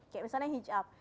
kayak misalnya hijab